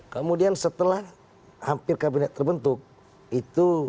kemudian setelah hampir kabinet terbentuk itu